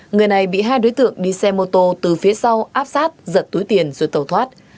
người này bị hai đối tượng đi xe mô tô từ phía sau áp sát giật túi tiền rồi tàu thoát